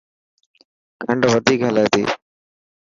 کنڊ وڌيڪ هلي تي.